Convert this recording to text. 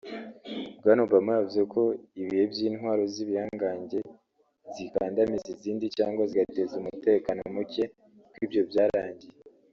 bwana Obama yavuze ko ibihe by’ intwaro z’ ibihangange zikandamiza izindi cyangwa zigateza umutekano muke ko ibyo byarangiye